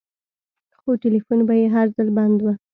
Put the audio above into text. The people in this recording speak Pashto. خو ټېلفون به يې هر ځل بند و.